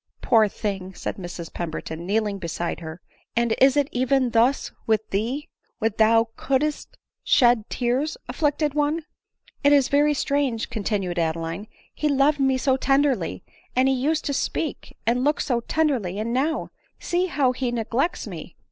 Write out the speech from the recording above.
"Poor thing !" said Mrs Pembertdn, kneelmg beside her, " and is it even thus with thee? Would thou couldst shed tears, afflicted one !" "It is very strange," continued Adeline ; "he loved me so tenderly, and he used to speak and look so tender^ ly, and now, see how he neglects me